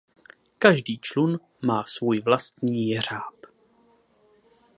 Každý člun má svůj vlastní jeřáb.